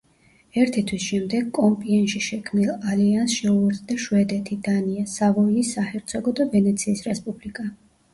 ერთი თვის შემდეგ კომპიენში შექმნილ ალიანსს შეუერთდა შვედეთი, დანია, სავოიის საჰერცოგო და ვენეციის რესპუბლიკა.